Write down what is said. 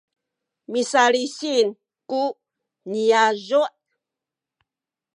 misalisin ku niyazu’